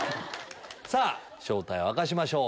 さぁ正体を明かしましょう。